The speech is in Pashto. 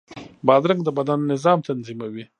بادرنګ د بدن نظام تنظیموي.